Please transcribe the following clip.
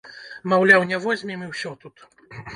Маўляў, не возьмем, і ўсё тут.